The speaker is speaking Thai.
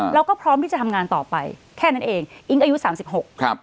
เราก็พร้อมที่จะทำงานต่อไปแค่นั้นเองอิ๊งอายุ๓๖ครับ